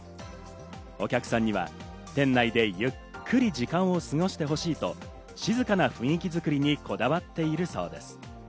お客さんには店内でゆっくり時間を過ごしてほしいと静かな雰囲気作りにこだわっているそうです。